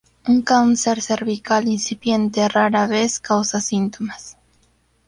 Un cáncer cervical incipiente rara vez causa síntomas.